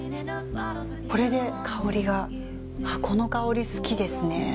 これで香りがあっこの香り好きですね。